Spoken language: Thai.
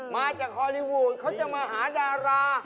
มาจากฮอลลีวูดเขาจะมาหาดารา